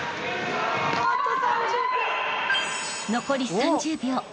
［残り３０秒］